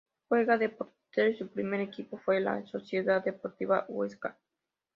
Juega de portero, y su primer equipo fue la Sociedad Deportiva Huesca.